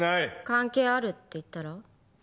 関係あるって言ったら？